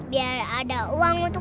biar ada uang untuk